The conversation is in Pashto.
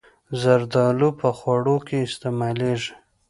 زردالو په خوړو کې استعمالېږي.